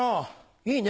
いいね。